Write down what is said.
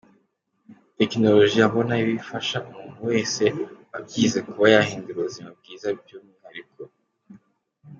tekinoloji abona bifasha umuntu wese wabyize kuba yahindura ubuzima bwiza byumwihariko.